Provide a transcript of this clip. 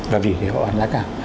và vì thế họ ăn giá cao